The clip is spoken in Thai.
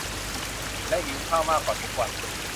และหิวข้าวมากกว่าทุกวัน